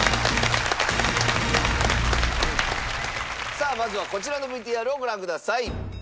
さあまずはこちらのＶＴＲをご覧ください。